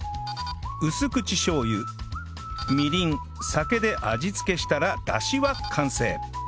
薄口しょう油みりん酒で味付けしたらダシは完成